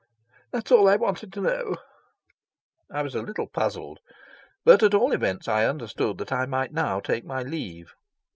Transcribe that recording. "That's all I wanted to know." I was a little puzzled, but at all events I understood that I might now take my leave.